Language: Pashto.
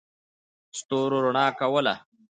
ستورو رڼا کوله.